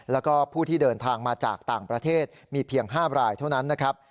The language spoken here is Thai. แล้วก็ผู้ที่เดินทางมาจากต่างประเทศมีเพียง๕รายเท่านั้นนะครับ